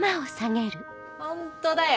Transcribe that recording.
ホントだよ！